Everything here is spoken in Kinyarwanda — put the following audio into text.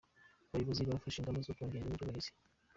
Abayobozi bafashe ingamba zo kongera ireme ry'uburezi.